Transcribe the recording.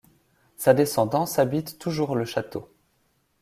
Sa descendance habite toujours le château.